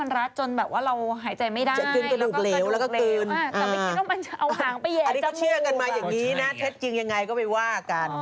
อันนี้เขาเชื่อกันมาอย่างนี้นะเท็จจริงยังไงก็ไปว่ากัน